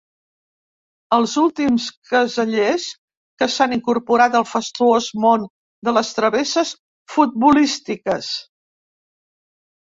Els últims casellers que s'han incorporat al fastuós món de les travesses futbolístiques.